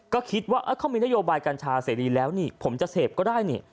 ก็คิดว่าเขามีนโยบายกัญชาเสรีแล้วนี่ผมจะเสพก็ได้นี่